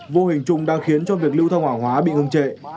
vô hình trùng đang khiến cho việc lưu thông hỏa hóa bị ưng trệ